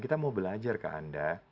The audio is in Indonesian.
kita mau belajar ke anda